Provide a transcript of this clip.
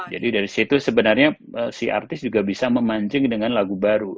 jadi dari situ sebenarnya si artis juga bisa memancing dengan lagu baru